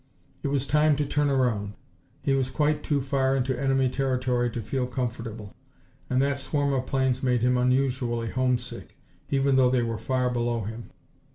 It was time to turn around. He was quite too far into enemy territory to feel comfortable, and that swarm of planes made him unusually homesick, even though they were far below him.